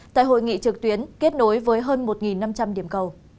tại hội nghị trực tuyến kết nối với hơn một năm trăm linh điểm cầu